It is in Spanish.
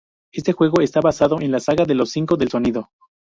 Este juego está basado en la saga de los Cinco del sonido.